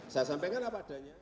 saya sampaikan apa adanya